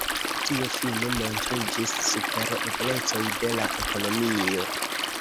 Tio fine montriĝis super eblecoj de la ekonomio.